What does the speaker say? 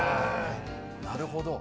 なるほど。